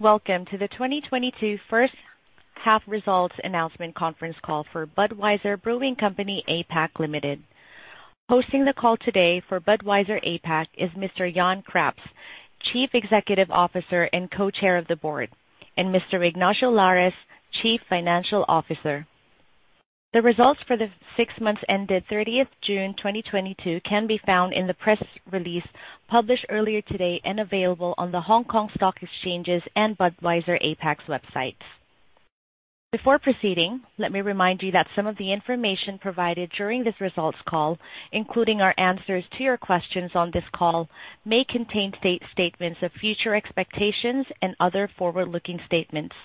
Welcome to the 2022 First Half Results Announcement Conference Call for Budweiser Brewing Company APAC Limited. Hosting the call today for Budweiser APAC is Mr. Jan Craps, Chief Executive Officer and Co-Chair of the Board, and Mr. Ignacio Lares, Chief Financial Officer. The results for the six months ended 30th June 2022 can be found in the press release published earlier today and available on The Hong Kong Stock Exchange and Budweiser APAC's websites. Before proceeding, let me remind you that some of the information provided during this results call, including our answers to your questions on this call, may contain forward-looking statements of future expectations and other forward-looking statements.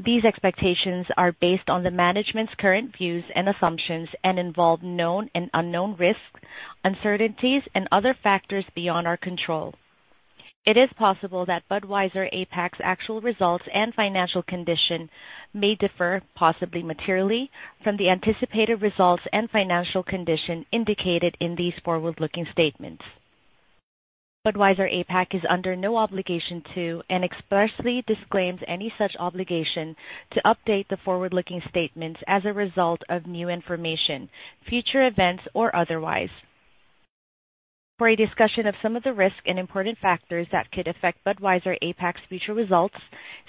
These expectations are based on the management's current views and assumptions and involve known and unknown risks, uncertainties, and other factors beyond our control. It is possible that Budweiser APAC's actual results and financial condition may differ, possibly materially, from the anticipated results and financial condition indicated in these forward-looking statements. Budweiser APAC is under no obligation to, and expressly disclaims any such obligation to update the forward-looking statements as a result of new information, future events, or otherwise. For a discussion of some of the risks and important factors that could affect Budweiser APAC's future results,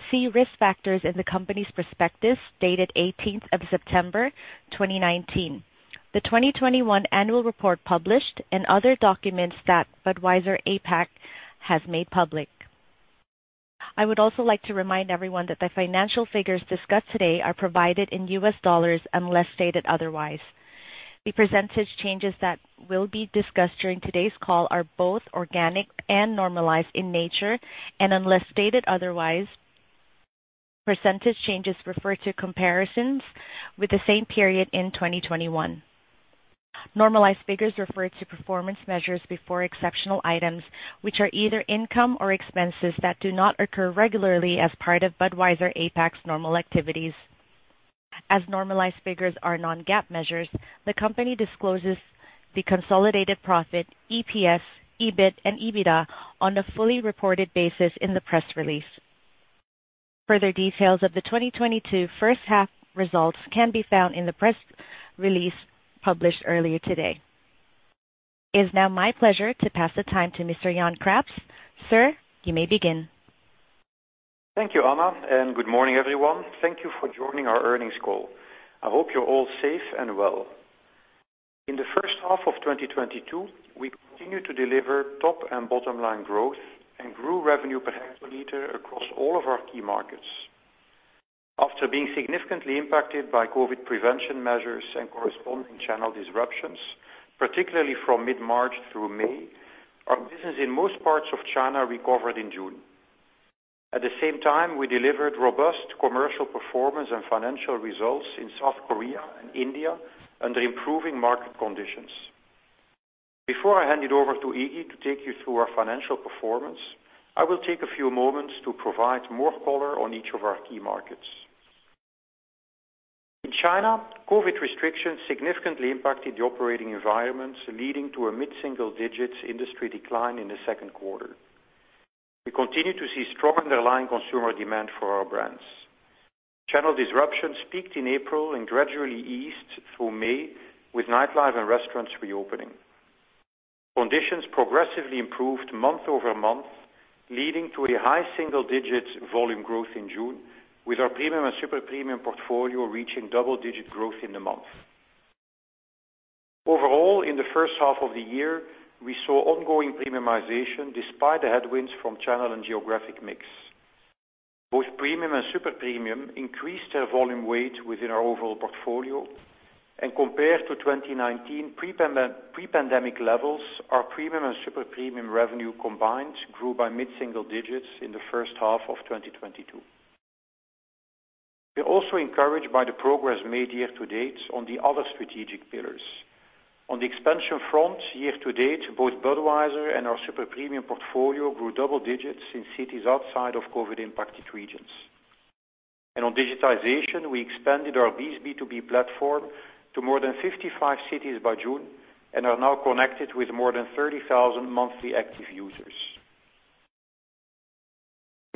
see risk factors in the company's prospectus, dated eighteenth of September 2019, the 2021 annual report published, and other documents that Budweiser APAC has made public. I would also like to remind everyone that the financial figures discussed today are provided in U.S. dollars unless stated otherwise. The percentage changes that will be discussed during today's call are both organic and normalized in nature, and unless stated otherwise, percentage changes refer to comparisons with the same period in 2021. Normalized figures refer to performance measures before exceptional items, which are either income or expenses that do not occur regularly as part of Budweiser APAC's normal activities. As normalized figures are non-GAAP measures, the company discloses the consolidated profit, EPS, EBIT and EBITDA on a fully reported basis in the press release. Further details of the 2022 first half results can be found in the press release published earlier today. It's now my pleasure to pass the time to Mr. Jan Craps. Sir, you may begin. Thank you, Anna, and good morning, everyone. Thank you for joining our earnings call. I hope you're all safe and well. In the first half of 2022, we continued to deliver top and bottom line growth and grew revenue per hectoliter across all of our key markets. After being significantly impacted by COVID prevention measures and corresponding channel disruptions, particularly from mid-March through May, our business in most parts of China recovered in June. At the same time, we delivered robust commercial performance and financial results in South Korea and India under improving market conditions. Before I hand it over to Iggy to take you through our financial performance, I will take a few moments to provide more color on each of our key markets. In China, COVID restrictions significantly impacted the operating environments, leading to a mid-single digits industry decline in the second quarter. We continue to see strong underlying consumer demand for our brands. Channel disruptions peaked in April and gradually eased through May, with nightlife and restaurants reopening. Conditions progressively improved month-over-month, leading to a high single-digit volume growth in June, with our premium and super premium portfolio reaching double-digit growth in the month. Overall, in the first half of the year, we saw ongoing premiumization despite the headwinds from channel and geographic mix. Both premium and super premium increased their volume weight within our overall portfolio. Compared to 2019 pre-pandemic levels, our premium and super premium revenue combined grew by mid-single digits in the first half of 2022. We're also encouraged by the progress made year-to-date on the other strategic pillars. On the expansion front, year to date, both Budweiser and our super premium portfolio grew double digits in cities outside of COVID-impacted regions. On digitization, we expanded our B2B platform to more than 55 cities by June and are now connected with more than 30,000 monthly active users.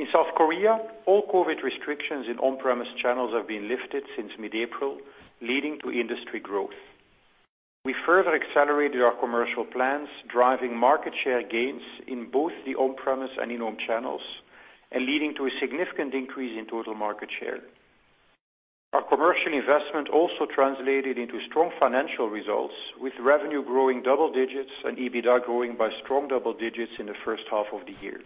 In South Korea, all COVID restrictions in on-premise channels have been lifted since mid-April, leading to industry growth. We further accelerated our commercial plans, driving market share gains in both the on-premise and in-home channels and leading to a significant increase in total market share. Our commercial investment also translated into strong financial results, with revenue growing double digits and EBITDA growing by strong double digits in the first half of the year.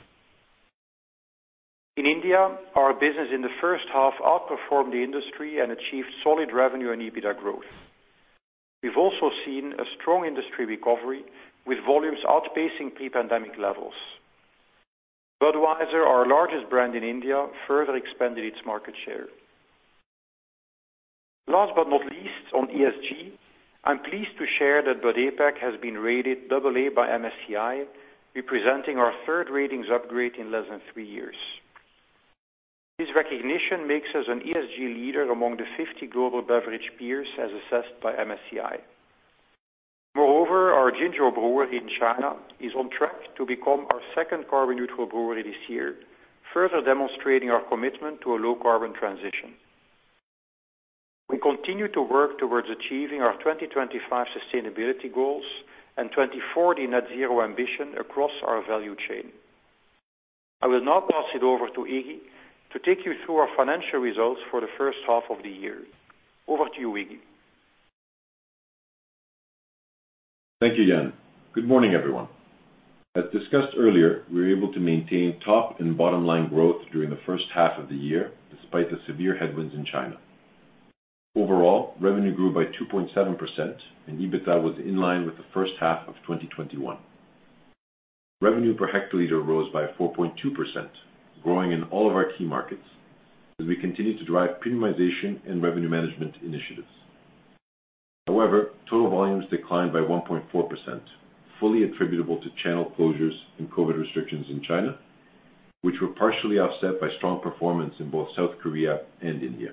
In India, our business in the first half outperformed the industry and achieved solid revenue and EBITDA growth. We've also seen a strong industry recovery, with volumes outpacing pre-pandemic levels. Budweiser, our largest brand in India, further expanded its market share. Last but not least, on ESG, I'm pleased to share that Bud APAC has been rated AA by MSCI, representing our third ratings upgrade in less than 3 years. This recognition makes us an ESG leader among the 50 global beverage peers, as assessed by MSCI. Moreover, our Jinzhou brewery in China is on track to become our second carbon neutral brewery this year, further demonstrating our commitment to a low carbon transition. We continue to work towards achieving our 2025 sustainability goals and 2040 net zero ambition across our value chain. I will now pass it over to Iggy to take you through our financial results for the first half of the year. Over to you, Iggy. Thank you, Jan. Good morning, everyone. As discussed earlier, we were able to maintain top and bottom line growth during the first half of the year, despite the severe headwinds in China. Overall, revenue grew by 2.7% and EBITDA was in line with the first half of 2021. Revenue per hectoliter rose by 4.2%, growing in all of our key markets as we continue to drive premiumization and revenue management initiatives. However, total volumes declined by 1.4%, fully attributable to channel closures and COVID restrictions in China, which were partially offset by strong performance in both South Korea and India.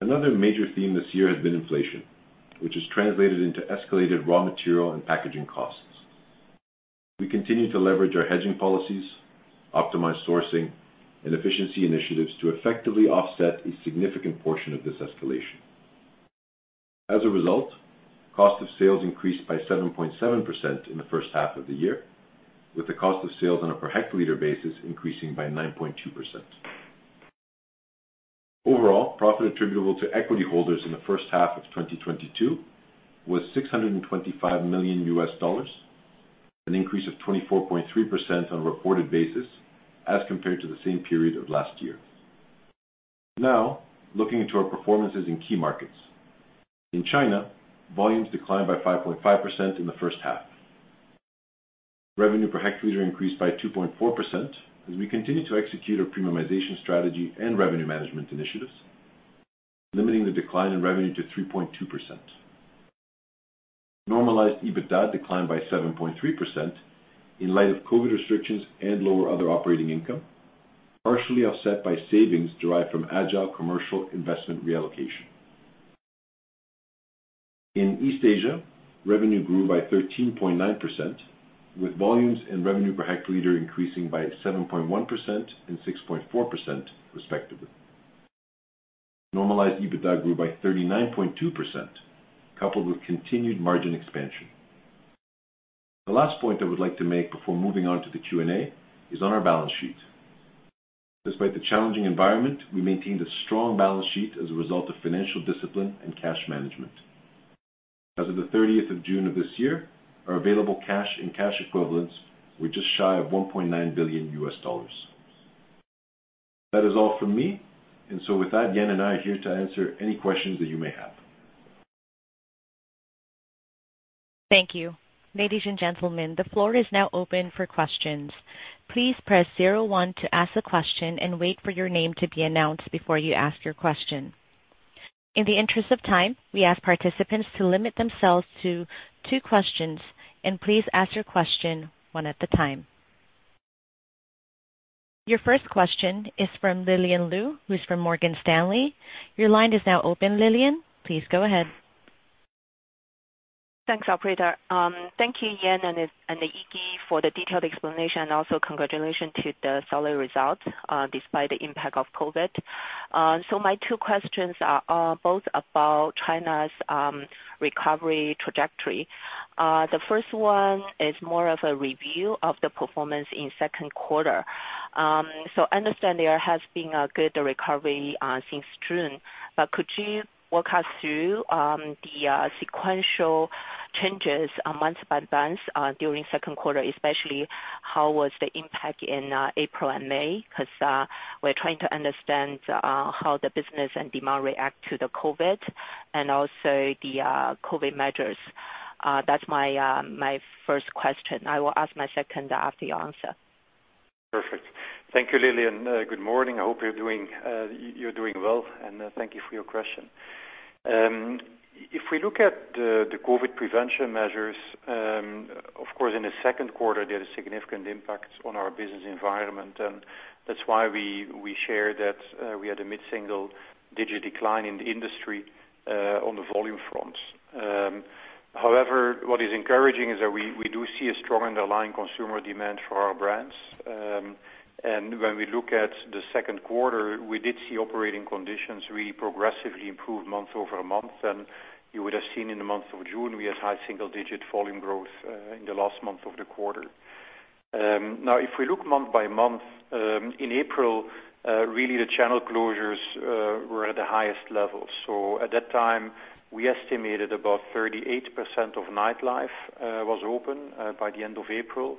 Another major theme this year has been inflation, which has translated into escalated raw material and packaging costs. We continue to leverage our hedging policies, optimize sourcing and efficiency initiatives to effectively offset a significant portion of this escalation. As a result, cost of sales increased by 7.7% in the first half of the year, with the cost of sales on a per hectoliter basis increasing by 9.2%. Overall, profit attributable to equity holders in the first half of 2022 was $625 million, an increase of 24.3% on a reported basis as compared to the same period of last year. Now, looking into our performances in key markets. In China, volumes declined by 5.5% in the first half. Revenue per hectoliter increased by 2.4% as we continue to execute our premiumization strategy and revenue management initiatives, limiting the decline in revenue to 3.2%. Normalized EBITDA declined by 7.3% in light of COVID restrictions and lower other operating income, partially offset by savings derived from agile commercial investment reallocation. In East Asia, revenue grew by 13.9%, with volumes and revenue per hectoliter increasing by 7.1% and 6.4% respectively. Normalized EBITDA grew by 39.2%, coupled with continued margin expansion. The last point I would like to make before moving on to the Q&A is on our balance sheet. Despite the challenging environment, we maintained a strong balance sheet as a result of financial discipline and cash management. As of the 30th of June of this year, our available cash and cash equivalents were just shy of $1.9 billion. That is all from me. With that, Jan and I are here to answer any questions that you may have. Thank you. Ladies and gentlemen, the floor is now open for questions. Please press zero one to ask a question and wait for your name to be announced before you ask your question. In the interest of time, we ask participants to limit themselves to two questions and please ask your question one at a time. Your first question is from Lillian Lou, who's from Morgan Stanley. Your line is now open, Lillian. Please go ahead. Thanks, operator. Thank you, Jan and Iggy for the detailed explanation and also congratulations to the solid results, despite the impact of COVID. My two questions are both about China's recovery trajectory. The first one is more of a review of the performance in second quarter. I understand there has been a good recovery since June. Could you walk us through the sequential changes, month by month, during second quarter, especially how was the impact in April and May? Because we're trying to understand how the business and demand react to the COVID and also the COVID measures. That's my first question. I will ask my second after you answer. Perfect. Thank you, Lillian. Good morning. I hope you're doing well, and thank you for your question. If we look at the COVID prevention measures, of course, in the second quarter, there is significant impact on our business environment, and that's why we share that we had a mid-single-digit decline in the industry on the volume front. However, what is encouraging is that we do see a strong underlying consumer demand for our brands. When we look at the second quarter, we did see operating conditions really progressively improve month-over-month. You would have seen in the month of June we had high single-digit volume growth in the last month of the quarter. Now if we look month by month, in April, really the channel closures were at the highest level. At that time, we estimated about 38% of nightlife was open by the end of April,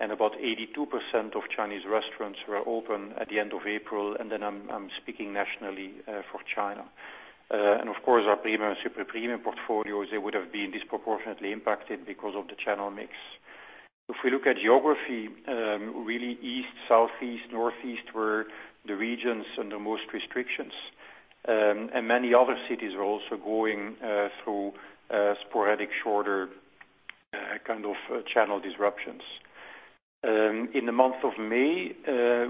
and about 82% of Chinese restaurants were open at the end of April. I'm speaking nationally for China. Of course our premium and super premium portfolios, they would have been disproportionately impacted because of the channel mix. If we look at geography, really East, Southeast, Northeast were the regions under most restrictions. Many other cities were also going through sporadic shorter kind of channel disruptions. In the month of May,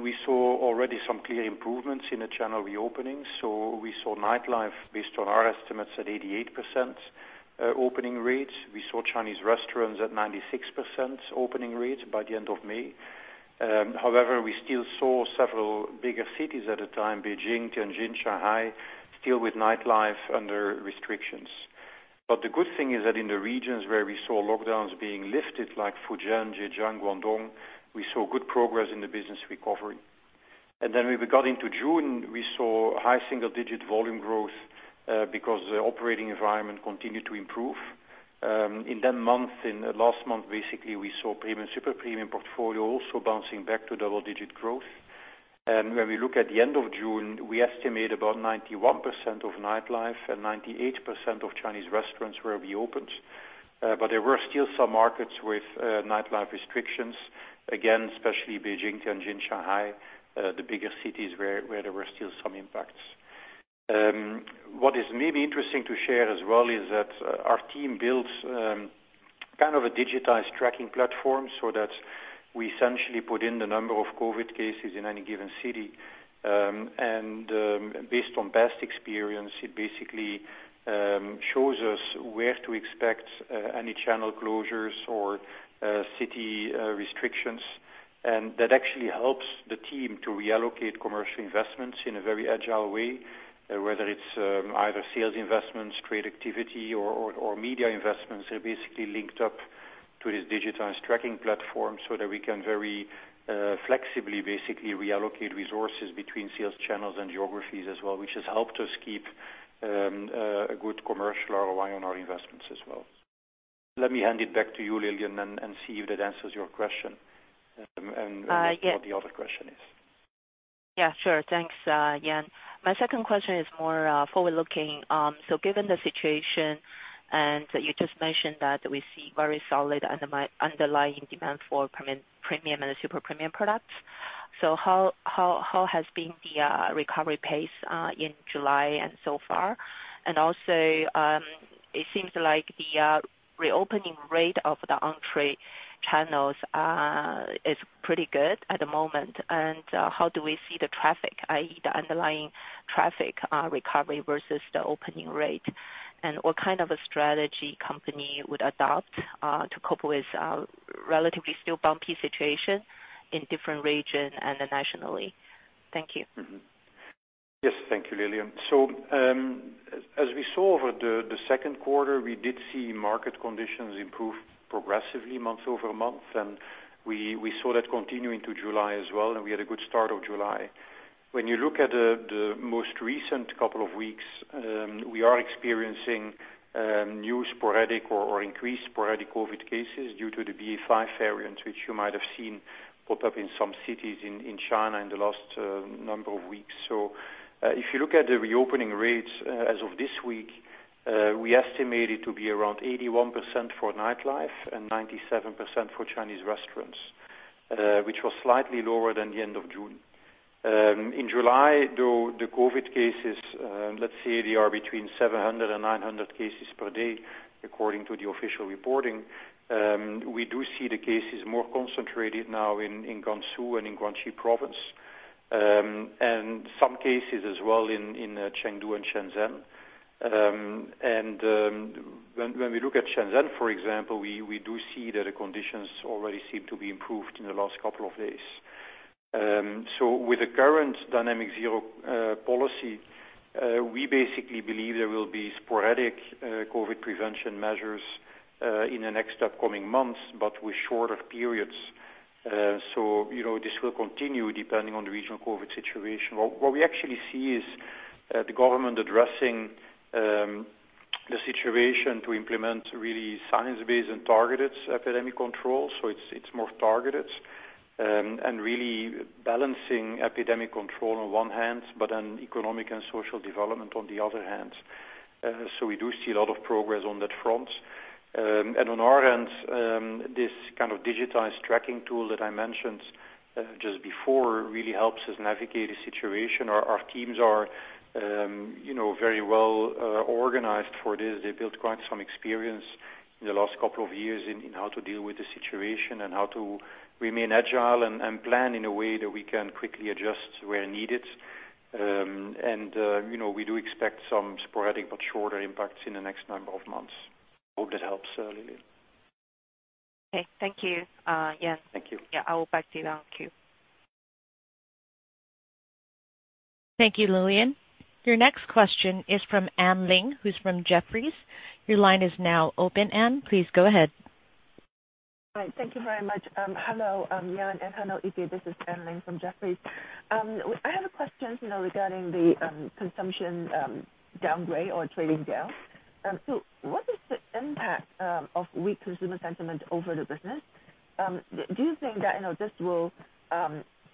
we saw already some clear improvements in the channel reopening. We saw nightlife based on our estimates at 88% opening rates. We saw Chinese restaurants at 96% opening rates by the end of May. However, we still saw several bigger cities at the time Beijing, Tianjin, Shanghai, still with nightlife under restrictions. The good thing is that in the regions where we saw lockdowns being lifted, like Fujian, Zhejiang, Guangdong, we saw good progress in the business recovery. We got into June, we saw high single-digit volume growth, because the operating environment continued to improve. In that month, in the last month, basically, we saw premium, super premium portfolio also bouncing back to double-digit growth. When we look at the end of June, we estimate about 91% of nightlife and 98% of Chinese restaurants were reopened. There were still some markets with nightlife restrictions. Again, especially Beijing, Tianjin, Shanghai, the bigger cities where there were still some impacts. What is maybe interesting to share as well is that our team builds kind of a digitized tracking platform so that we essentially put in the number of COVID cases in any given city. Based on past experience, it basically shows us where to expect any channel closures or city restrictions. That actually helps the team to reallocate commercial investments in a very agile way, whether it's either sales investments, trade activity or media investments are basically linked up to this digitized tracking platform so that we can very flexibly basically reallocate resources between sales channels and geographies as well, which has helped us keep a good commercial ROI on our investments as well. Let me hand it back to you, Lillian, and see if that answers your question. Yes. What the other question is. Yeah, sure. Thanks, Jan. My second question is more forward-looking. Given the situation, and you just mentioned that we see very solid underlying demand for premium and super premium products. How has the recovery pace been in July and so far? Also, it seems like the reopening rate of the on-trade channels is pretty good at the moment. How do we see the traffic, i.e., the underlying traffic, recovery versus the opening rate? What kind of strategy the company would adopt to cope with relatively still bumpy situation in different region and nationally? Thank you. Yes. Thank you, Lillian. As we saw over the second quarter, we did see market conditions improve progressively month-over-month, and we saw that continue into July as well, and we had a good start of July. When you look at the most recent couple of weeks, we are experiencing new sporadic or increased sporadic COVID cases due to the BA.5 variant, which you might have seen pop up in some cities in China in the last number of weeks. If you look at the reopening rates as of this week, we estimate it to be around 81% for nightlife and 97% for Chinese restaurants, which was slightly lower than the end of June. In July, though, the COVID cases, let's say they are between 700 and 900 cases per day, according to the official reporting, we do see the cases more concentrated now in Gansu and in Guangxi Province, and some cases as well in Chengdu and Shenzhen. When we look at Shenzhen, for example, we do see that the conditions already seem to be improved in the last couple of days. With the current dynamic zero policy, we basically believe there will be sporadic COVID prevention measures in the next upcoming months, but with shorter periods. You know, this will continue depending on the regional COVID situation. What we actually see is the government addressing the situation to implement really science-based and targeted epidemic control, so it's more targeted and really balancing epidemic control on one hand, but then economic and social development on the other hand. We do see a lot of progress on that front. On our end, this kind of digitized tracking tool that I mentioned just before really helps us navigate the situation. Our teams are, you know, very well organized for this. They built quite some experience in the last couple of years in how to deal with the situation and how to remain agile and plan in a way that we can quickly adjust where needed. You know, we do expect some sporadic but shorter impacts in the next number of months. Hope that helps, Lillian. Okay. Thank you, Jan. Thank you. Yeah, I will pass it on to you. Thank you, Lillian. Your next question is from Anne Ling, who's from Jefferies. Your line is now open, Anne. Please go ahead. All right. Thank you very much. Hello, Jan, and hello, Iggy. This is Anne Ling from Jefferies. I had a question, you know, regarding the consumption downgrade or trading down. What is the impact of weak consumer sentiment on the business? Do you think that, you know, this will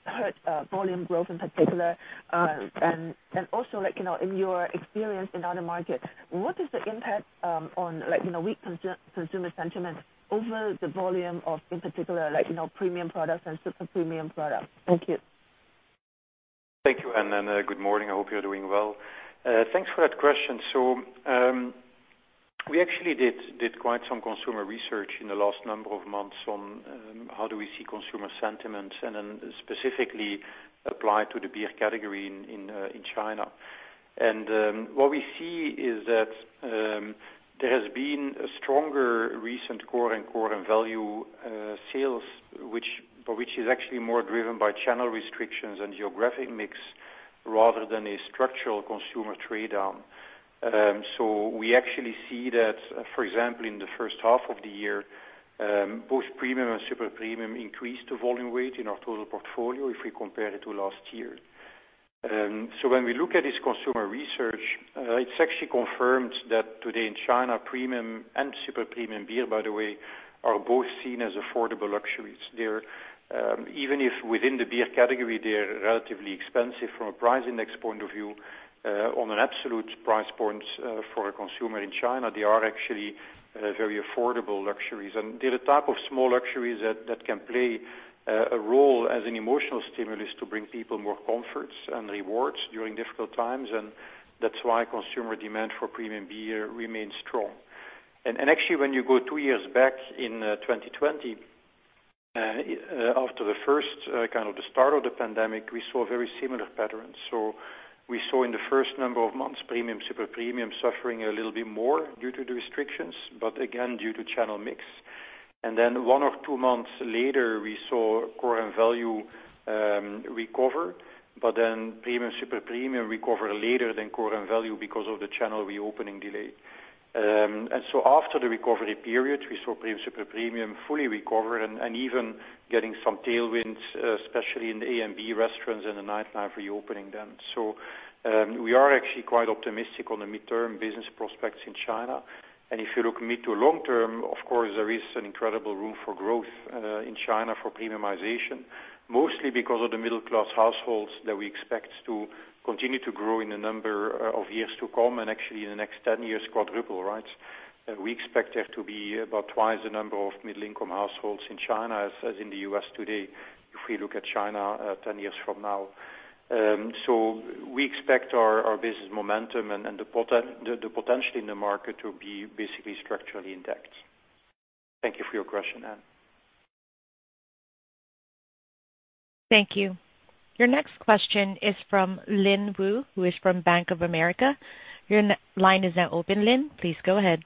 hurt volume growth in particular? And also, like, you know, in your experience in other markets, what is the impact on, like, you know, weak consumer sentiment on the volume of, in particular, like, you know, premium products and super premium products? Thank you. Thank you, Anne, and good morning. I hope you're doing well. Thanks for that question. We actually did quite some consumer research in the last number of months on how do we see consumer sentiment and then specifically apply to the beer category in China. What we see is that there has been a stronger recent core and value sales, which is actually more driven by channel restrictions and geographic mix rather than a structural consumer trade-down. We actually see that, for example, in the first half of the year, both premium and super premium increased the volume weight in our total portfolio if we compare it to last year. When we look at this consumer research, it's actually confirmed that today in China, premium and super premium beer, by the way, are both seen as affordable luxuries. They're even if within the beer category, they're relatively expensive from a price index point of view, on an absolute price point, for a consumer in China, they are actually very affordable luxuries. They're the type of small luxuries that can play a role as an emotional stimulus to bring people more comforts and rewards during difficult times. That's why consumer demand for premium beer remains strong. Actually, when you go two years back in 2020, after the first kind of the start of the pandemic, we saw very similar patterns. We saw in the first number of months, premium, super premium suffering a little bit more due to the restrictions, but again, due to channel mix. Then one or two months later, we saw core and value recover, but then premium, super premium recover later than core and value because of the channel reopening delay. After the recovery period, we saw premium, super premium fully recover and even getting some tailwinds, especially in the AMB restaurants and the nightlife reopening then. We are actually quite optimistic on the mid term business prospects in China. If you look mid to long term, of course, there is an incredible room for growth in China for premiumization, mostly because of the middle class households that we expect to continue to grow in the number of years to come, and actually in the next 10 years, quadruple, right? We expect there to be about twice the number of middle income households in China as in the U.S. today if we look at China 10 years from now. So we expect our business momentum and the potential in the market to be basically structurally intact. Thank you for your question, Anne. Thank you. Your next question is from Lynn Wu, who is from Bank of America. Your line is now open, Lynn. Please go ahead.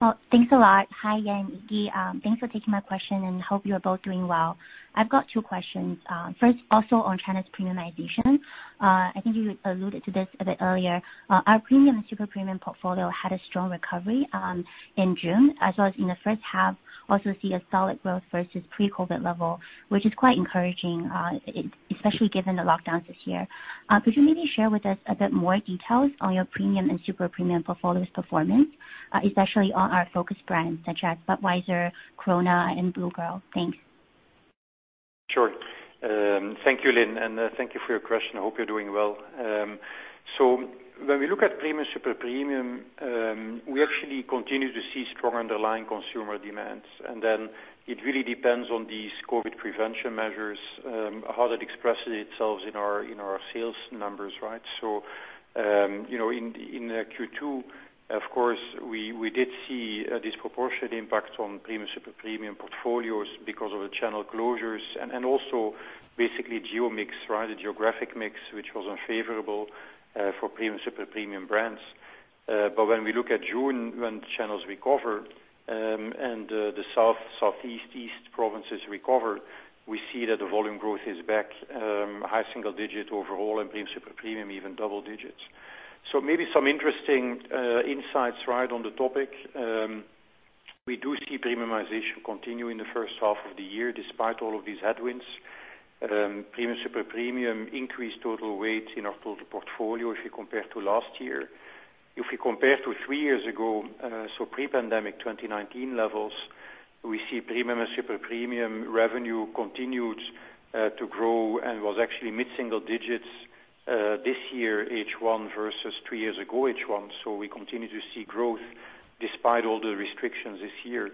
Well, thanks a lot. Hi, Jan, Iggy. Thanks for taking my question, and hope you're both doing well. I've got two questions. First, also on China's premiumization. I think you alluded to this a bit earlier. Our premium and super premium portfolio had a strong recovery in June, as well as in the first half, also see a solid growth versus pre-COVID level, which is quite encouraging, especially given the lockdowns this year. Could you maybe share with us a bit more details on your premium and super premium portfolio's performance, especially on our focus brands such as Budweiser, Corona, and Blue Girl? Thanks. Sure. Thank you, Lynn, and thank you for your question. I hope you're doing well. When we look at premium, super premium, we actually continue to see strong underlying consumer demands. It really depends on these COVID prevention measures, how that expresses itself in our sales numbers, right? You know, in Q2, of course, we did see a disproportionate impact on premium, super premium portfolios because of the channel closures and also basically geo mix, right? The geographic mix, which was unfavorable, for premium, super premium brands. When we look at June, when the channels recover, and the South, Southeast, East provinces recover, we see that the volume growth is back, high single digit overall in premium, super premium, even double digits. Maybe some interesting insights, right, on the topic. We do see premiumization continue in the first half of the year despite all of these headwinds. Premium, super premium increased total weight in our total portfolio if you compare to last year. If you compare to three years ago, so pre-pandemic 2019 levels, we see premium and super premium revenue continued to grow and was actually mid-single digits this year H1 versus three years ago H1. We continue to see growth despite all the restrictions this year.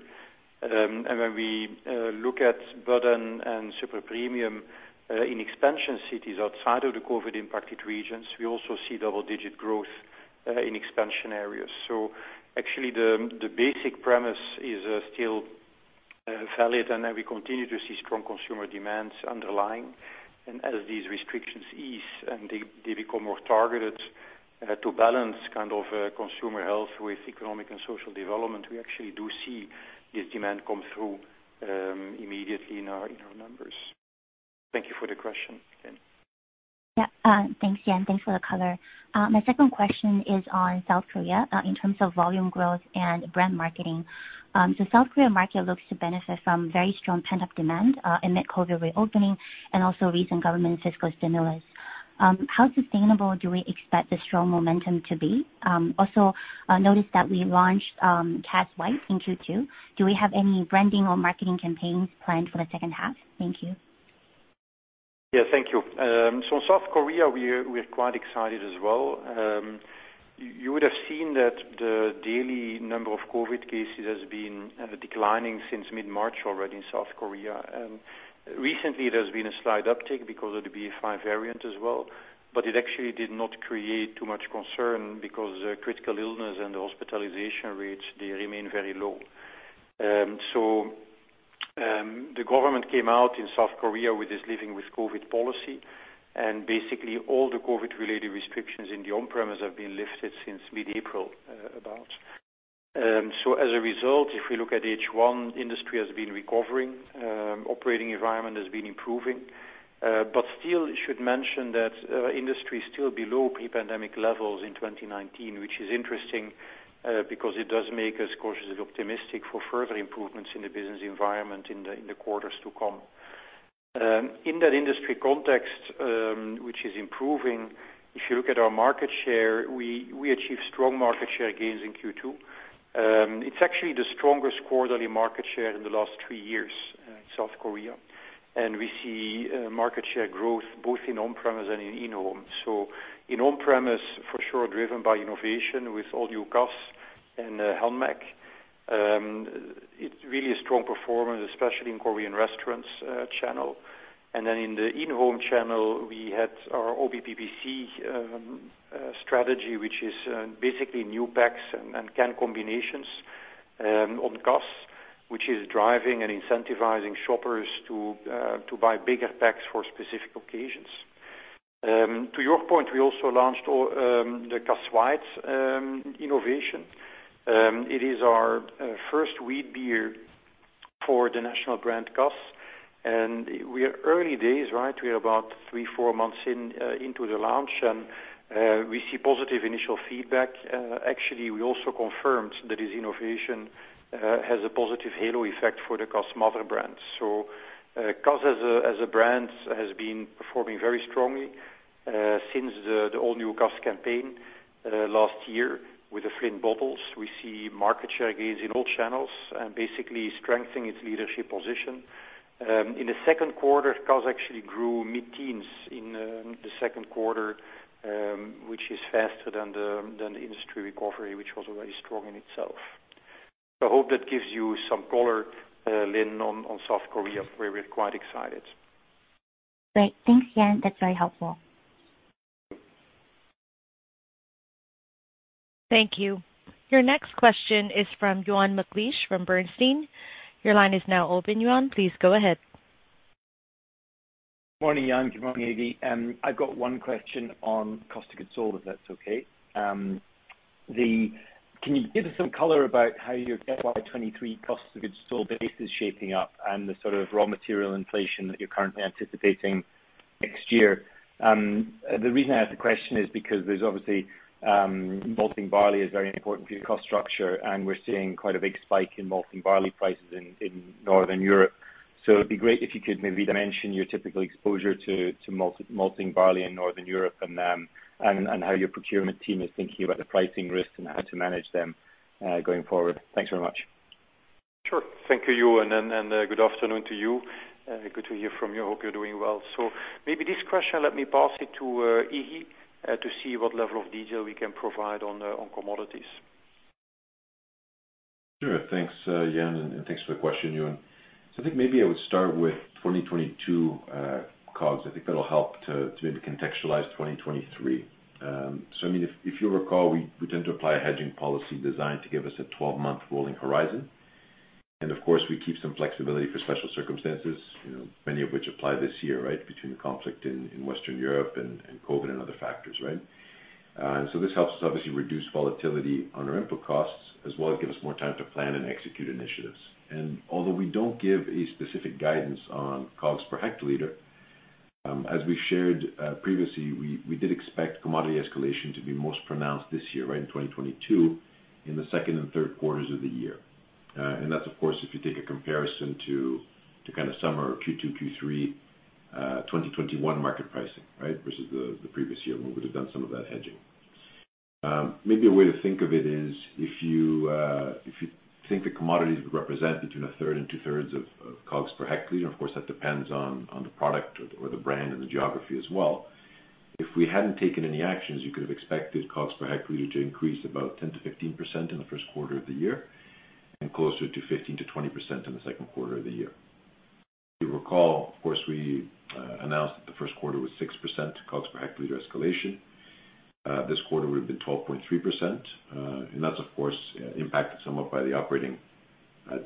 When we look at Bud and super premium in expansion cities outside of the COVID-impacted regions, we also see double digit growth in expansion areas. Actually, the basic premise is still valid, and then we continue to see strong consumer demands underlying. As these restrictions ease and they become more targeted to balance kind of consumer health with economic and social development, we actually do see this demand come through immediately in our numbers. Thank you for the question, Lynn. Yeah. Thanks, Jan. Thanks for the color. My second question is on South Korea, in terms of volume growth and brand marketing. South Korea market looks to benefit from very strong pent-up demand, amid COVID reopening and also recent government fiscal stimulus. How sustainable do we expect the strong momentum to be? Also, noticed that we launched Cass White in Q2. Do we have any branding or marketing campaigns planned for the second half? Thank you. Yeah. Thank you. South Korea, we're quite excited as well. You would have seen that the daily number of COVID cases has been declining since mid-March already in South Korea. Recently there's been a slight uptick because of the BA.5 variant as well. It actually did not create too much concern because the critical illness and the hospitalization rates remain very low. The government came out in South Korea with this Living with COVID policy, and basically all the COVID-related restrictions in the on-premise have been lifted since mid-April about. As a result, if we look at H1, industry has been recovering, operating environment has been improving. Still you should mention that industry is still below pre-pandemic levels in 2019, which is interesting, because it does make us cautiously optimistic for further improvements in the business environment in the quarters to come. In that industry context, which is improving, if you look at our market share, we achieved strong market share gains in Q2. It's actually the strongest quarterly market share in the last three years in South Korea, and we see market share growth both in on-premise and in-home. In on-premise, for sure, driven by innovation with all new Cass and Hanmac. It's really a strong performance, especially in Korean restaurants channel. In the in-home channel we had our OBPPC strategy, which is basically new packs and can combinations on Cass, which is driving and incentivizing shoppers to buy bigger packs for specific occasions. To your point, we also launched the Cass White innovation. It is our first wheat beer for the national brand Cass, and we are early days, right? We are about 3-4 months into the launch, and we see positive initial feedback. Actually, we also confirmed that this innovation has a positive halo effect for the Cass mother brands. Cass as a brand has been performing very strongly since the all new Cass campaign last year with the slim bottles. We see market share gains in all channels and basically strengthening its leadership position. In the second quarter, Cass actually grew mid-teens in the second quarter, which is faster than the industry recovery, which was already strong in itself. I hope that gives you some color, Lynnn, on South Korea, where we're quite excited. Great. Thanks, Jan. That's very helpful. Thank you. Your next question is from Euan McLeish from Bernstein. Your line is now open, Euan. Please go ahead. Morning, Jan. Good morning, Iggy. I've got one question on cost of goods sold, if that's okay. Can you give us some color about how your FY 2023 cost of goods sold base is shaping up and the sort of raw material inflation that you're currently anticipating next year? The reason I ask the question is because there's obviously malting barley is very important for your cost structure, and we're seeing quite a big spike in malting barley prices in Northern Europe. It'd be great if you could maybe dimension your typical exposure to malting barley in Northern Europe and how your procurement team is thinking about the pricing risks and how to manage them going forward. Thanks very much. Sure. Thank you, Euan, and good afternoon to you. Good to hear from you. Hope you're doing well. Maybe this question, let me pass it to Iggy, to see what level of detail we can provide on commodities. Sure. Thanks, Jan, and thanks for the question, Euan. I think maybe I would start with 2022 COGS. I think that'll help to maybe contextualize 2023. I mean, if you recall, we tend to apply a hedging policy designed to give us a 12-month rolling horizon. Of course, we keep some flexibility for special circumstances, you know, many of which apply this year, right? Between the conflict in Western Europe and COVID and other factors, right? This helps us obviously reduce volatility on our input costs as well as give us more time to plan and execute initiatives. Although we don't give a specific guidance on COGS per hectoliter, as we shared previously, we did expect commodity escalation to be most pronounced this year in, right? In 2022, in the second and third quarters of the year. That's of course if you take a comparison to kind of summer Q2, Q3, 2021 market pricing, right? Versus the previous year when we would have done some of that hedging. Maybe a way to think of it is if you if you think the commodities would represent between a third and two-thirds of COGS per hectoliter, and of course, that depends on the product or the brand and the geography as well. If we hadn't taken any actions, you could have expected COGS per hectoliter to increase about 10%-15% in the first quarter of the year and closer to 15%-20% in the second quarter of the year. You recall, of course, we announced that the first quarter was 6% COGS per hectoliter escalation. This quarter would have been 12.3%. That's of course impacted somewhat by the operating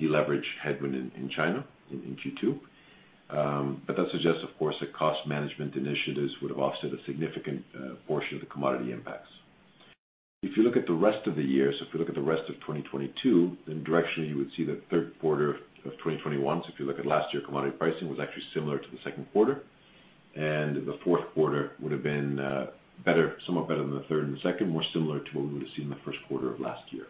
deleverage headwind in China in Q2. That suggests, of course, that cost management initiatives would have offset a significant portion of the commodity impacts. If you look at the rest of the year, if you look at the rest of 2022, then directionally you would see the third quarter of 2021. If you look at last year, commodity pricing was actually similar to the second quarter, and the fourth quarter would've been better, somewhat better than the third and the second, more similar to what we would've seen in the first quarter of last year.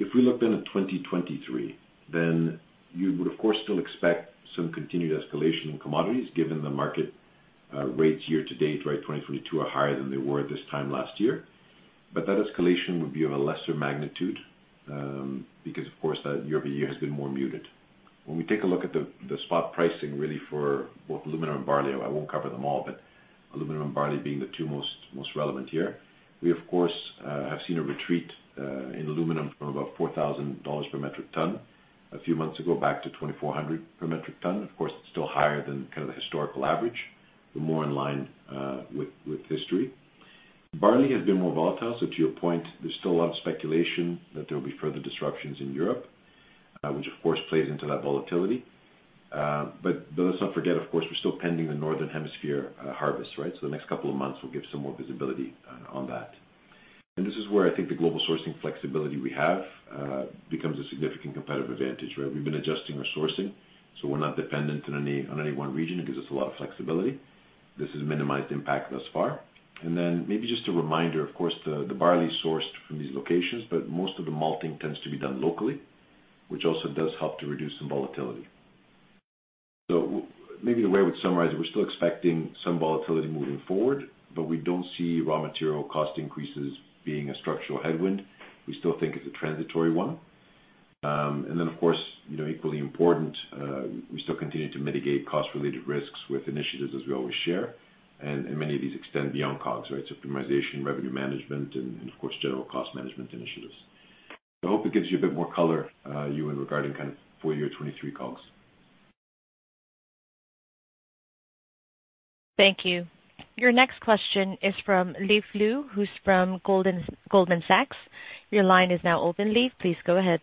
If we looked then at 2023, then you would of course still expect some continued escalation in commodities given the market rates year to date, right, 2022 are higher than they were this time last year, but that escalation would be of a lesser magnitude, because of course that year-over-year has been more muted. When we take a look at the spot pricing really for both aluminum and barley, I won't cover them all, but aluminum and barley being the two most relevant here. We of course have seen a retreat in aluminum from about $4,000 per metric ton a few months ago, back to $2,400 per metric ton. Of course, it's still higher than kind of the historical average, but more in line with history. Barley has been more volatile. To your point, there's still a lot of speculation that there will be further disruptions in Europe, which of course plays into that volatility. Let's not forget of course we're still pending the northern hemisphere harvest, right? The next couple of months will give some more visibility on that. This is where I think the global sourcing flexibility we have becomes a significant competitive advantage, right? We've been adjusting our sourcing, so we're not dependent on any one region. It gives us a lot of flexibility. This has minimized impact thus far. Maybe just a reminder, of course, the barley is sourced from these locations, but most of the malting tends to be done locally, which also does help to reduce some volatility. Maybe the way I would summarize it, we're still expecting some volatility moving forward, but we don't see raw material cost increases being a structural headwind. We still think it's a transitory one. Then of course, you know, equally important, we still continue to mitigate cost-related risks with initiatives as we always share. Many of these extend beyond COGS, right? Optimization, revenue management and of course general cost management initiatives. I hope it gives you a bit more color, Euan, regarding kind of full year 2023 COGS. Thank you. Your next question is from Leaf Liu, who's from Goldman Sachs. Your line is now open, Leaf. Please go ahead.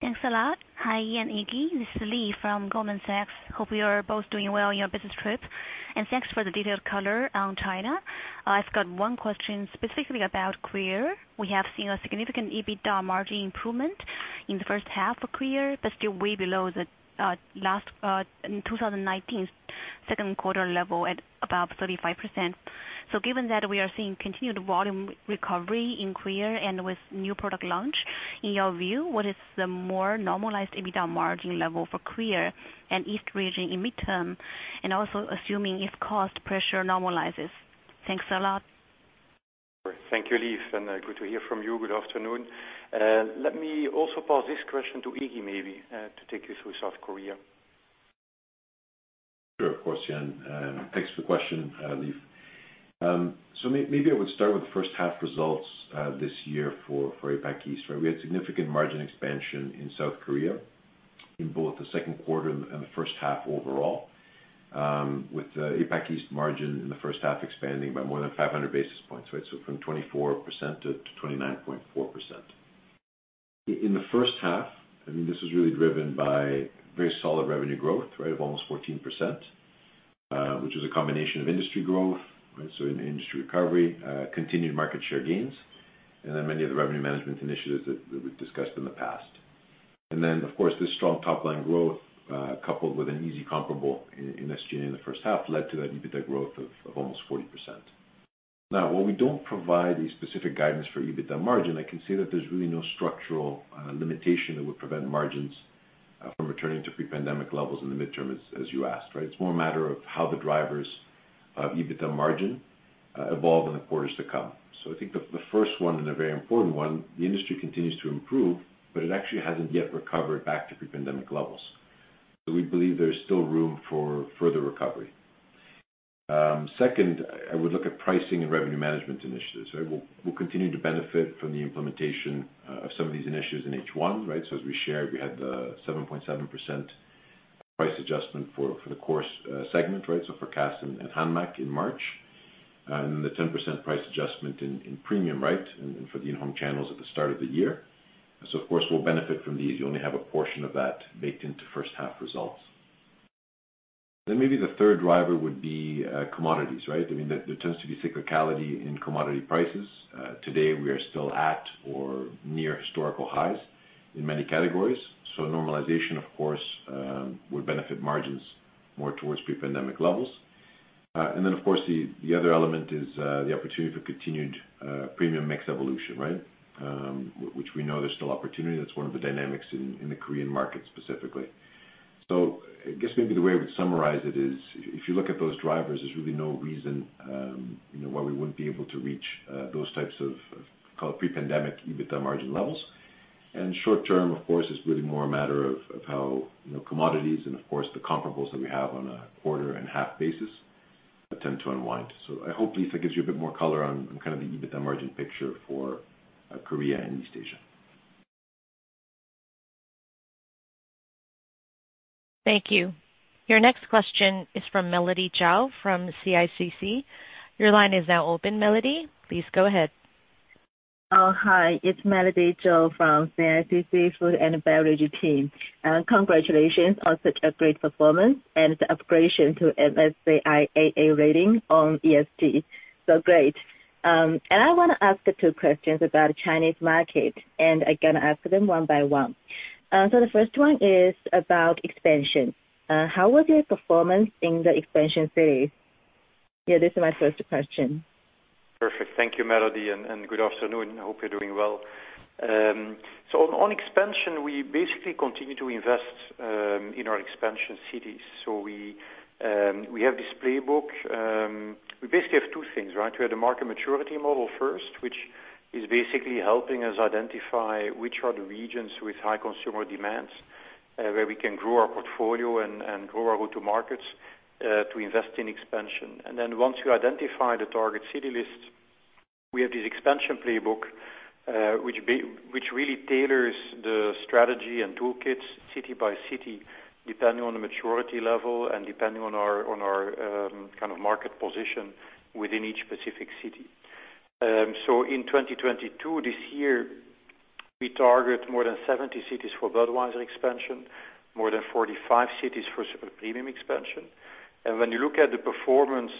Thanks a lot. Hi, Jan, Iggy, this is Leaf from Goldman Sachs. Hope you are both doing well on your business trip and thanks for the detailed color on China. I've got one question specifically about Korea. We have seen a significant EBITDA margin improvement in the first half of Korea, but still way below the last in 2019 second quarter level at about 35%. Given that we are seeing continued volume recovery in Korea and with new product launch, in your view, what is the more normalized EBITDA margin level for Korea and East region in mid-term? And also assuming if cost pressure normalizes. Thanks a lot. Thank you, Leaf, and good to hear from you. Good afternoon. Let me also pass this question to Iggy maybe, to take you through South Korea. Sure. Of course, Jan. Thanks for the question, Leaf. So maybe I would start with the first half results this year for APAC East, right? We had significant margin expansion in South Korea in both the second quarter and the first half overall, with APAC East margin in the first half expanding by more than 500 basis points, right? So from 24% to 29.4%. In the first half, I mean, this was really driven by very solid revenue growth, right? Of almost 14%, which is a combination of industry growth, right? An industry recovery, continued market share gains, and then many of the revenue management initiatives that we've discussed in the past. Of course, this strong top line growth, coupled with an easy comparable in SG&A in the first half led to that EBITDA growth of almost 40%. Now, while we don't provide a specific guidance for EBITDA margin, I can say that there's really no structural limitation that would prevent margins from returning to pre-pandemic levels in the mid-term, as you asked, right? It's more a matter of how the drivers of EBITDA margin evolve in the quarters to come. I think the first one, and a very important one, the industry continues to improve, but it actually hasn't yet recovered back to pre-pandemic levels. We believe there's still room for further recovery. Second, I would look at pricing and revenue management initiatives, right? We'll continue to benefit from the implementation of some of these initiatives in H1, right? As we shared, we had the 7.7% price adjustment for the core segment, right? For Cass and Hanmac in March. The 10% price adjustment in premium, right? For the in-home channels at the start of the year. Of course, we'll benefit from these. You only have a portion of that baked into first half results. Maybe the third driver would be commodities, right? I mean, there tends to be cyclicality in commodity prices. Today we are still at or near historical highs in many categories. Normalization of course would benefit margins more towards pre-pandemic levels. Then of course the other element is the opportunity for continued premium mix evolution, right? Which we know there's still opportunity. That's one of the dynamics in the Korean market specifically. I guess maybe the way I would summarize it is if you look at those drivers, there's really no reason, you know, why we wouldn't be able to reach those types of call it pre-pandemic EBITDA margin levels. Short term, of course, is really more a matter of how, you know, commodities and of course the comparables that we have on a quarter and half basis tend to unwind. I hope Leaf that gives you a bit more color on kind of the EBITDA margin picture for Korea and East Asia. Thank you. Your next question is from Melody [Chao] from CICC. Your line is now open, Melody. Please go ahead. Oh, hi. It's Melody [Chao] from CICC Food and Beverage team. Congratulations on such a great performance and the upgrade to MSCI AA rating on ESG. Great. I wanna ask two questions about Chinese market, and I gonna ask them one by one. The first one is about expansion. How was your performance in the expansion phase? Yeah, this is my first question. Perfect. Thank you, Melody, and good afternoon. Hope you're doing well. On expansion, we basically continue to invest in our expansion cities. We have this playbook. We basically have two things, right? We have the market maturity model first, which is basically helping us identify which are the regions with high consumer demands, where we can grow our portfolio and grow our go-to markets to invest in expansion. Once you identify the target city list, we have this expansion playbook, which really tailors the strategy and toolkits city by city, depending on the maturity level and depending on our kind of market position within each specific city. In 2022, this year, we target more than 70 cities for Budweiser expansion, more than 45 cities for Super Premium expansion. When you look at the performance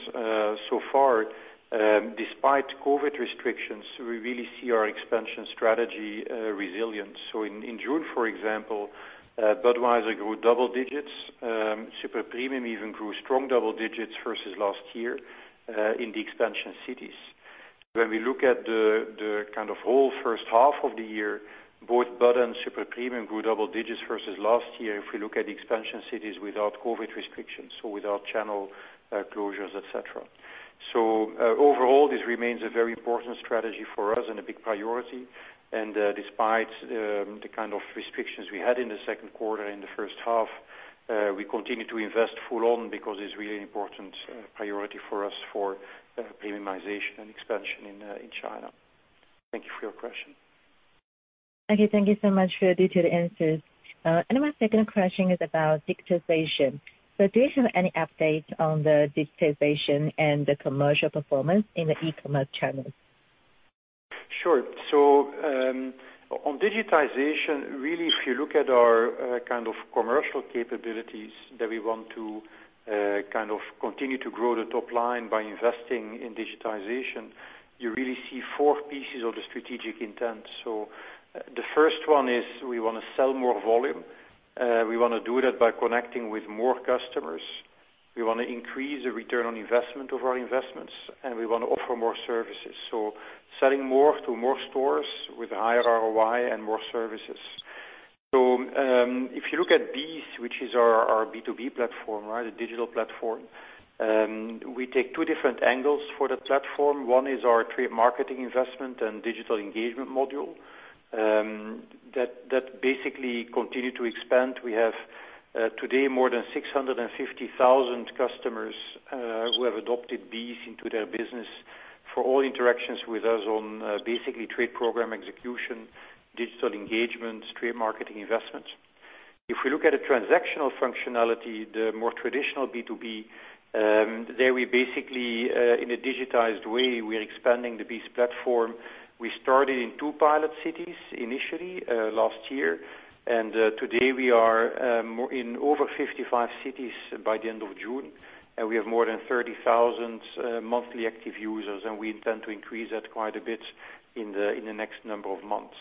so far, despite COVID restrictions, we really see our expansion strategy resilient. In June, for example, Budweiser grew double digits. Super Premium even grew strong double digits versus last year in the expansion cities. When we look at the whole first half of the year, both Bud and Super Premium grew double digits versus last year if we look at the expansion cities without COVID restrictions, without channel closures, et cetera. Overall, this remains a very important strategy for us and a big priority, and despite the kind of restrictions we had in the second quarter, in the first half, we continue to invest full on because it's really important priority for us for premiumization and expansion in China. Thank you for your question. Okay, thank you so much for the detailed answers. My second question is about digitization. Do you have any updates on the digitization and the commercial performance in the e-commerce channels? Sure. On digitization, really, if you look at our kind of commercial capabilities that we want to kind of continue to grow the top line by investing in digitization, you really see four pieces of the strategic intent. The first one is we wanna sell more volume. We wanna do that by connecting with more customers. We wanna increase the return on investment of our investments, and we wanna offer more services. Selling more to more stores with higher ROI and more services. If you look at BEES, which is our B2B platform, right? A digital platform, we take two different angles for the platform. One is our trade marketing investment and digital engagement module that basically continue to expand. We have today more than 650,000 customers who have adopted BEES into their business for all interactions with us on basically trade program execution, digital engagement, trade marketing investments. If we look at the transactional functionality, the more traditional B2B, there we basically in a digitized way we are expanding the BEES platform. We started in 2 pilot cities initially last year, and today we are in over 55 cities by the end of June, and we have more than 30,000 monthly active users, and we intend to increase that quite a bit in the next number of months.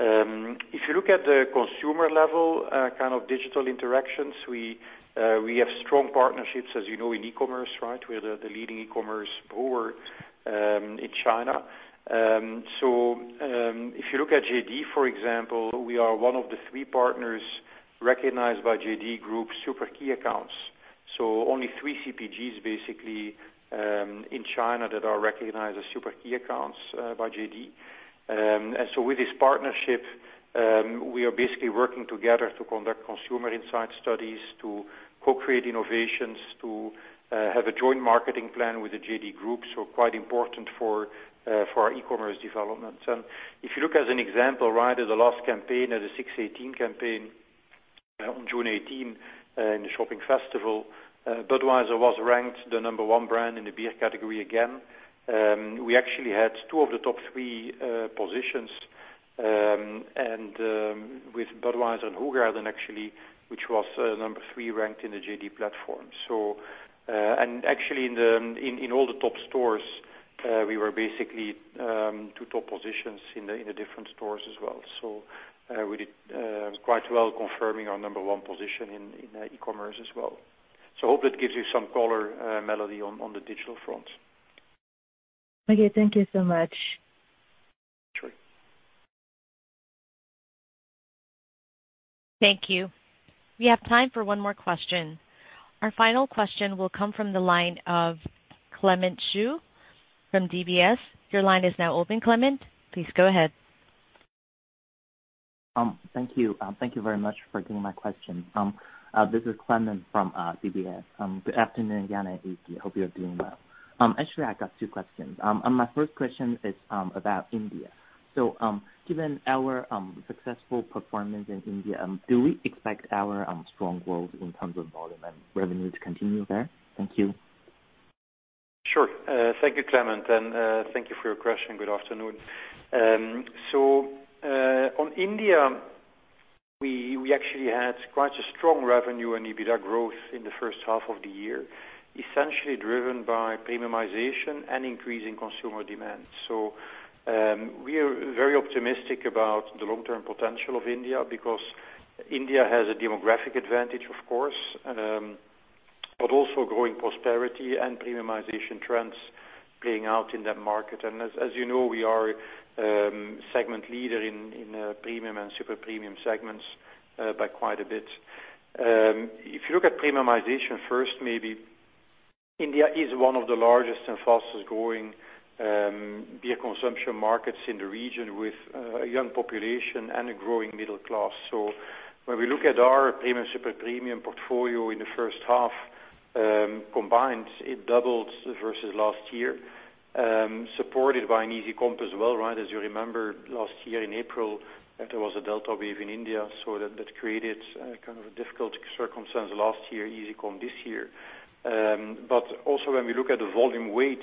If you look at the consumer level kind of digital interactions, we have strong partnerships, as you know, in e-commerce, right? We're the leading e-commerce brewer in China. If you look at JD.com, for example, we are one of the three partners recognized by JD.com Group super key accounts. Only three CPGs basically in China that are recognized as super key accounts by JD.com. With this partnership, we are basically working together to conduct consumer insight studies, to co-create innovations, to have a joint marketing plan with the JD.com Group, so quite important for our e-commerce development. If you look as an example, right at the last campaign, at the 618 campaign on June 18 in the Shopping Festival, Budweiser was ranked the No. 1 brand in the beer category again. We actually had two of the top three positions and with Budweiser and Hoegaarden actually, which was No. 3 ranked in the JD.com platform. Actually in all the top stores, we were basically two top positions in the different stores as well. We did quite well confirming our number 1 position in the e-commerce as well. Hope that gives you some color, Melody, on the digital front. Okay, thank you so much. Sure. Thank you. We have time for one more question. Our final question will come from the line of Clement Xu from DBS. Your line is now open, Clement. Please go ahead. Thank you. Thank you very much for taking my question. This is Clement from DBS. Good afternoon, Jan and Iggy. Hope you're doing well. Actually, I got two questions. My first question is about India. Given our successful performance in India, do we expect our strong growth in terms of volume and revenue to continue there? Thank you. Sure. Thank you, Clement, and thank you for your question. Good afternoon. On India, we actually had quite a strong revenue and EBITDA growth in the first half of the year, essentially driven by premiumization and increase in consumer demand. We are very optimistic about the long-term potential of India because India has a demographic advantage, of course, but also growing prosperity and premiumization trends playing out in that market. As you know, we are segment leader in premium and super premium segments by quite a bit. If you look at premiumization first, maybe India is one of the largest and fastest growing beer consumption markets in the region with a young population and a growing middle class. When we look at our premium, super premium portfolio in the first half, combined, it doubled versus last year, supported by an easy comp as well, right? As you remember, last year in April, there was a Delta wave in India, so that created kind of a difficult circumstance last year, easy comp this year. Also when we look at the volume weight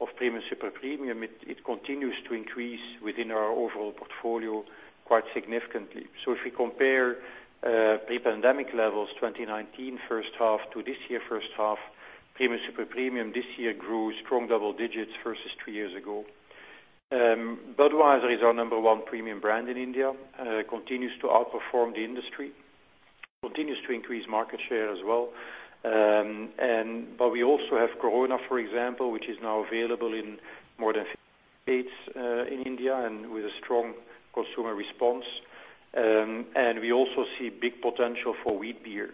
of premium, super premium, it continues to increase within our overall portfolio quite significantly. If we compare pre-pandemic levels, 2019 first half to this year first half, premium, super premium this year grew strong double digits versus three years ago. Budweiser is our number one premium brand in India, continues to outperform the industry, continues to increase market share as well. We also have Corona, for example, which is now available in more than 50 states in India and with a strong consumer response. We also see big potential for wheat beer.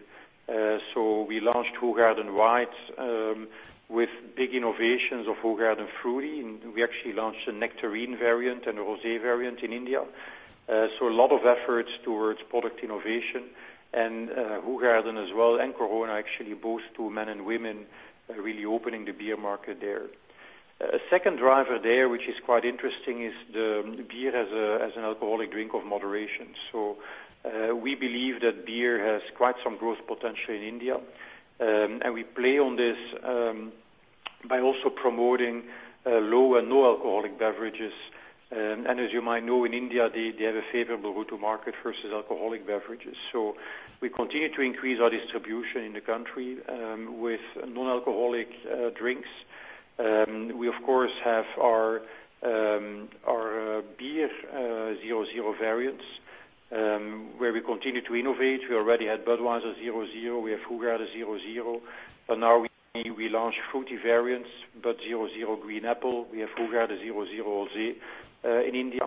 We launched Hoegaarden White with big innovations of Hoegaarden fruity, and we actually launched a Nectarine variant and a Rosée variant in India. A lot of efforts towards product innovation and Hoegaarden as well, and Corona actually appeals to men and women, really opening the beer market there. A second driver there, which is quite interesting, is the beer as an alcoholic drink of moderation. We believe that beer has quite some growth potential in India, and we play on this by also promoting low and no-alcoholic beverages. As you might know, in India, they have a favorable route to market versus alcoholic beverages. We continue to increase our distribution in the country with non-alcoholic drinks. We of course have our beer zero zero variants, where we continue to innovate. We already had Budweiser Zero, we have Hoegaarden 0.0, but now we launch fruity variants, Budweiser Zero Green Apple. We have Hoegaarden 0.0 Rosée in India.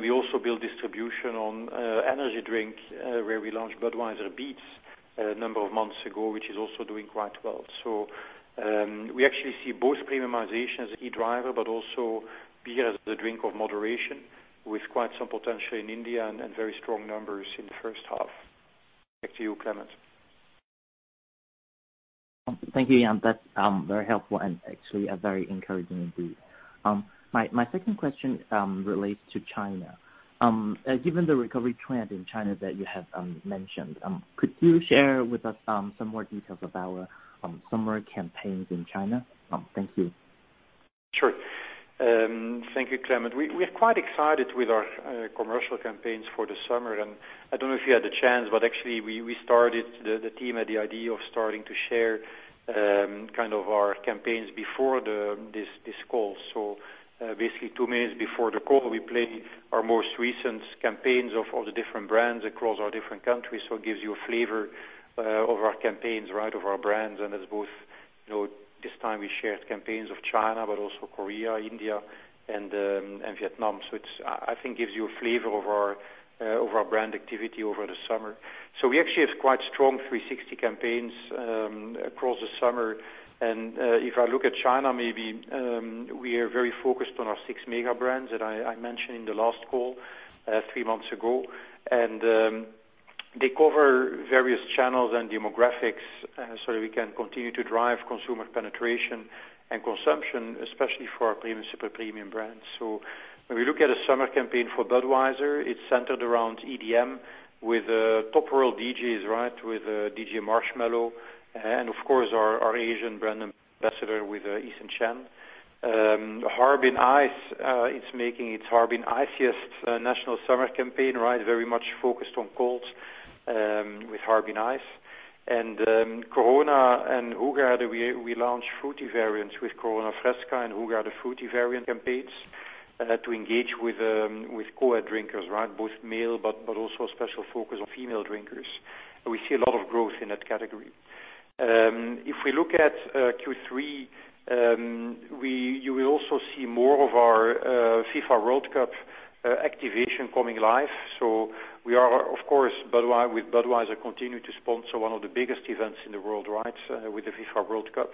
We also build distribution on energy drink, where we launched Budweiser Beats a number of months ago, which is also doing quite well. We actually see both premiumization as a key driver, but also beer as the drink of moderation with quite some potential in India and very strong numbers in the first half. Back to you, Clement. Thank you, Jan. That's very helpful and actually a very encouraging indeed. My second question relates to China. Given the recovery trend in China that you have mentioned, could you share with us some more details about summer campaigns in China? Thank you. Sure. Thank you, Clement. We are quite excited with our commercial campaigns for the summer, and I don't know if you had the chance, but actually we started. The team had the idea of starting to share kind of our campaigns before this call. Basically two minutes before the call, we played our most recent campaigns of all the different brands across our different countries. It gives you a flavor of our campaigns, right, of our brands. As both, you know, this time we shared campaigns of China, but also Korea, India and Vietnam. It gives you a flavor of our brand activity over the summer. We actually have quite strong 360 campaigns across the summer. If I look at China, maybe we are very focused on our six mega brands that I mentioned in the last call three months ago. They cover various channels and demographics so that we can continue to drive consumer penetration and consumption, especially for our premium, super premium brands. When we look at a summer campaign for Budweiser, it's centered around EDM with top world DJs, right? With DJ Marshmello and of course our Asian brand ambassador with Eason Chan. Harbin Ice is making its Harbin iciest national summer campaign, right? Very much focused on colds with Harbin Ice. Corona and Hoegaarden, we launch fruity variants with Corona Refresca and Hoegaarden fruity variant campaigns to engage with co-ed drinkers, right? Both male but also a special focus on female drinkers. We see a lot of growth in that category. If we look at Q3, you will also see more of our FIFA World Cup activation coming live. We are of course with Budweiser continue to sponsor one of the biggest events in the world, right, with the FIFA World Cup,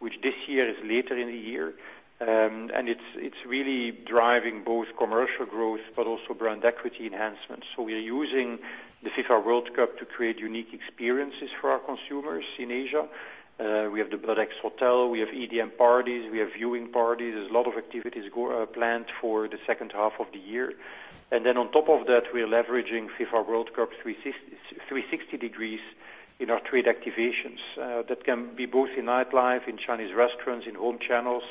which this year is later in the year. It's really driving both commercial growth but also brand equity enhancements. We are using the FIFA World Cup to create unique experiences for our consumers in Asia. We have the BUDX Hotel, we have EDM parties, we have viewing parties. There's a lot of activities planned for the second half of the year. We are leveraging FIFA World Cup 360 degrees in our trade activations, that can be both in nightlife, in Chinese restaurants, in home channels.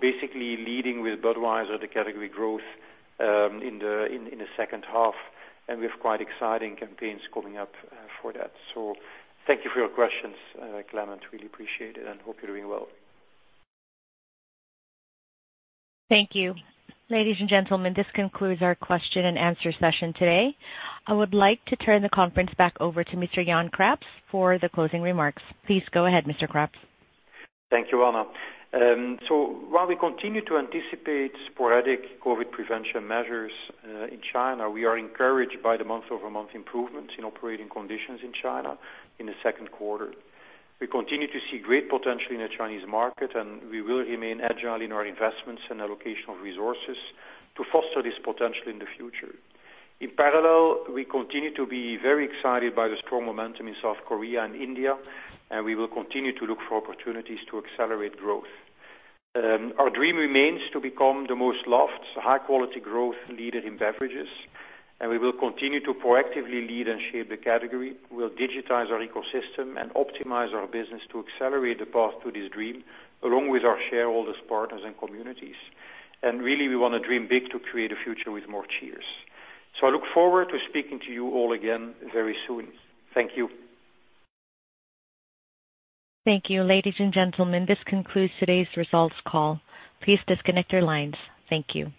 Basically leading with Budweiser, the category growth, in the second half. We have quite exciting campaigns coming up, for that. Thank you for your questions, Clement, really appreciate it and hope you're doing well. Thank you. Ladies and gentlemen, this concludes our question and answer session today. I would like to turn the conference back over to Mr. Jan Craps for the closing remarks. Please go ahead, Mr. Craps. Thank you, Anna. While we continue to anticipate sporadic COVID prevention measures in China, we are encouraged by the month-over-month improvements in operating conditions in China in the second quarter. We continue to see great potential in the Chinese market, and we will remain agile in our investments and allocation of resources to foster this potential in the future. In parallel, we continue to be very excited by the strong momentum in South Korea and India, and we will continue to look for opportunities to accelerate growth. Our dream remains to become the most loved high quality growth leader in beverages, and we will continue to proactively lead and shape the category. We'll digitize our ecosystem and optimize our business to accelerate the path to this dream along with our shareholders, partners, and communities. Really, we wanna dream big to create a future with more cheers. I look forward to speaking to you all again very soon. Thank you. Thank you. Ladies and gentlemen, this concludes today's results call. Please disconnect your lines. Thank you.